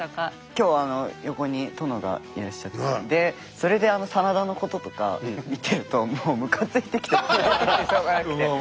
今日横に殿がいらっしゃってでそれであの真田のこととか見てるともうむかついてきてむかついてきてしょうがなくて。